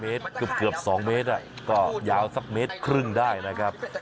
เมตรเกือบ๒เมตรก็ยาวสักเมตรครึ่งได้นะครับ